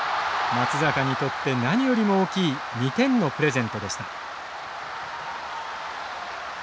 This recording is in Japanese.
松坂にとって何よりも大きい２点のプレゼントでした。